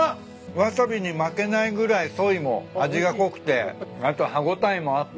ワサビに負けないぐらいソイも味が濃くてあと歯応えもあって。